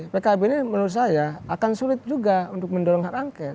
pkb ini menurut saya akan sulit juga untuk mendorong hak angket